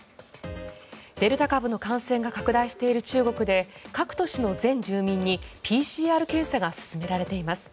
デルタ株の感染が拡大している中国で各都市の全住民にＰＣＲ検査が進められています。